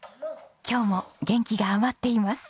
今日も元気が余っています。